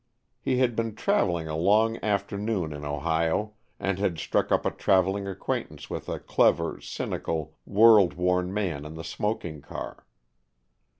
He had been traveling a long afternoon in Ohio, and had struck up a traveling acquaintance with a clever, cynical, world worn man in the smoking car.